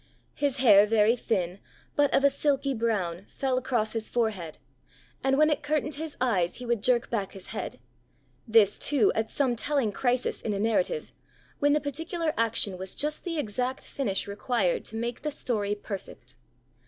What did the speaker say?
His hair very thin, but of a silky brown, fell across his forehead, and when it curtained his eyes he would jerk back his head this, too, at some telling crisis in a narrative, when the particular action was just the exact finish required to make the story perfect.